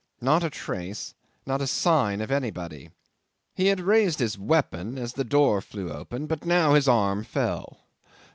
Not a trace, not a sign of anybody. He had raised his weapon as the door flew open, but now his arm fell.